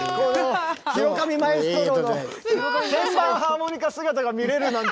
広上マエストロの鍵盤ハーモニカ姿が見れるなんて！